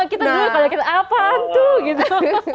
kita jual pada kita apaan tuh gitu